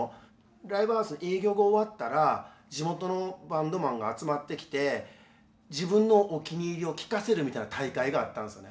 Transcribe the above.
ライブハウス営業が終わったら地元のバンドマンが集まってきて自分のお気に入りを聴かせるみたいな大会があったんすね。